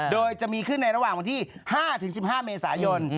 โดยจะมีขึ้นในระหว่างวันที่๕๑๕เมษายน